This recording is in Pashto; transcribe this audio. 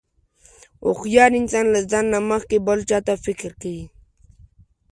هوښیار انسان له ځان نه مخکې بل چاته فکر کوي.